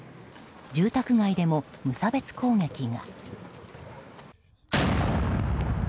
住宅街でも無差別攻撃が。